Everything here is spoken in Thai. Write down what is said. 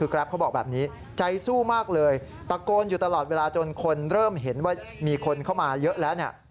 แกรปเขาบอกแบบนี้ใจสู้มากเลยตะโกนอยู่ตลอดเวลาจนคนเริ่มเห็นว่ามีคนเข้ามาเยอะแล้วเนี่ย